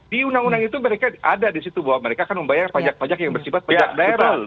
di undang undang itu mereka ada di situ bahwa mereka akan membayar pajak pajak yang bersifat pajak daerah